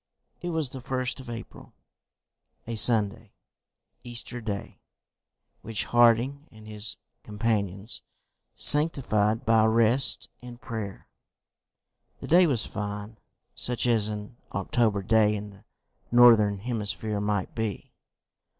It was the 1st of April, a Sunday, Easter Day, which Harding and his companions sanctified by rest and prayer. The day was fine, such as an October day in the northern hemisphere might be.